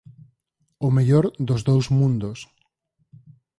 O mellor dos dous mundos.